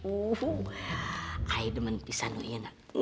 wah i demen pisang neliana